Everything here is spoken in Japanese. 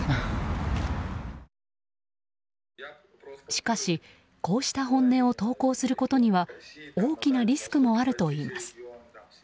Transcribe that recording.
しかし、こうした本音を投稿することには大きなリスクもあるといいます。